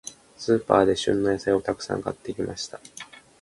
スーパーで、旬の野菜をたくさん買ってきました。